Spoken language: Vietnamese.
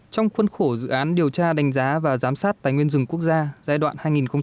trong khuân khổ dự án điều tra đánh giá và giám sát tài nguyên rừng quốc gia giai đoạn hai nghìn một mươi sáu hai nghìn hai mươi